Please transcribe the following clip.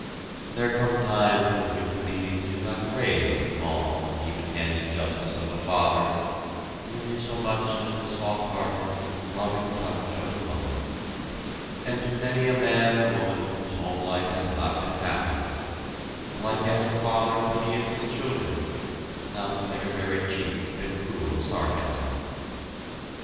There come times when human beings do not crave the calm, even handed justice of a father nearly so much as the soft hearted, loving touch of a mother, and to many a man or woman whose home life has not been happy, "like as a father pitieth his children" sounds like a very cheap and cruel sarcasm.